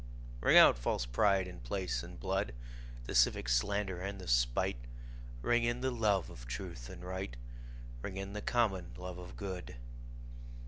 Ring out false pride in place and blood, The civic slander and the spite; Ring in the love of truth and right, Ring in the common love of good.